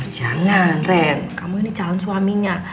jangan ren kamu ini calon suaminya